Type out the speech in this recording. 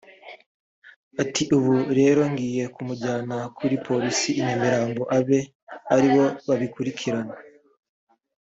Ati “Ubu rero ngiye kumujyana kuri Polisi i Nyamirambo abe ari bo babikurikirana